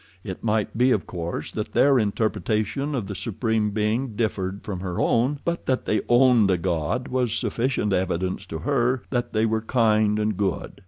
It might be, of course, that their interpretation of the supreme being differed from her own, but that they owned a god was sufficient evidence to her that they were kind and good.